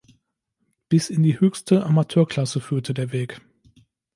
Bis in die höchste Amateurklasse führte der Weg.